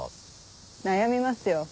悩みますよ。